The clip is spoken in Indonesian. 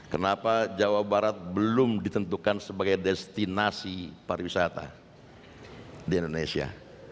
kenapa jawa barat belum ditentukan sebagai destinasi pariwisata di indonesia